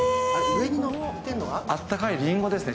あったかいりんごですね。